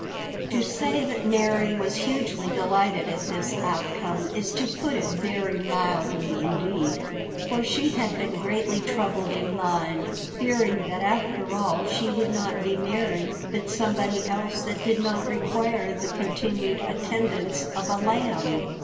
To say that Mary was hugely delighted at this outcome is to put it very mildly indeed. For she had been greatly troubled in mind, fearing that after all she would not be Mary but somebody else that did not require the continued attendance of a lamb.